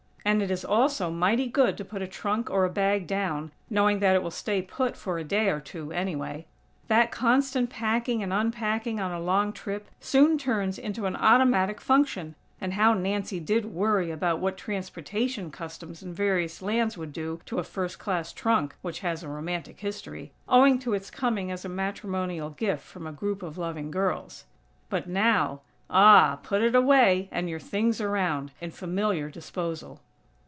And it is also mighty good to put a trunk or a bag down, knowing that it will "stay put" for a day or two, anyway. That constant packing and unpacking on a long trip, soon turns into an automatic function; and how Nancy did worry about what transportation customs in various lands would do to a first class trunk which has a romantic history, owing to its coming as a matrimonial gift from a group of loving girls. But now; ah!! Put it away, and your things around, in familiar disposal.